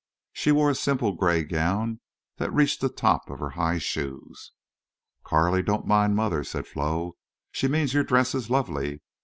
She wore a simple gray gown that reached the top of her high shoes. "Carley, don't mind mother," said Flo. "She means your dress is lovely.